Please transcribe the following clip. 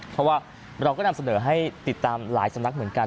เพราะว่าเราก็นำเสนอให้ติดตามหลายสำนักเหมือนกัน